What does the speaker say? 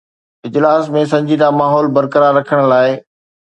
اجلاس ۾ سنجيده ماحول برقرار رکڻ لاءِ.